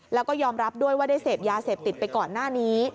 แล้วก็ยอมรับด้วยว่าได้เสพยาเสพติดไปก่อนหน้านี้